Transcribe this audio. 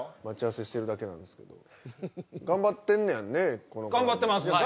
待ち合わせしてるだけです頑張ってんのやんね頑張ってます！